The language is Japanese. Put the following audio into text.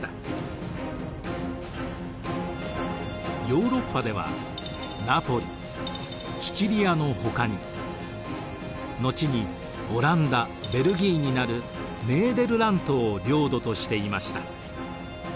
ヨーロッパではナポリシチリアのほかに後にオランダベルギーになるネーデルラントを領土としていました。